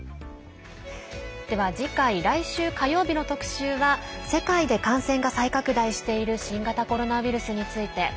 では次回、来週火曜日の特集は世界で感染が再拡大している新型コロナウイルスについて。